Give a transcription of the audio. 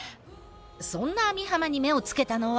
そんな網浜に目をつけたのは。